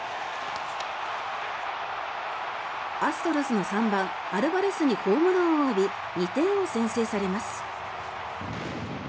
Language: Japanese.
アストロズの３番、アルバレスにホームランを浴び２点を先制されます。